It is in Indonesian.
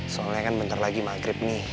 soalnya kan bentar lagi maghrib nih